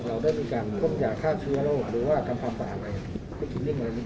เราได้เป็นการท่มจาคฆ่าเชื้อโรคหรือว่ากำคัมษาอะไร